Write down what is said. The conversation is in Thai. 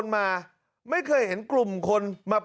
ไม่มีครับ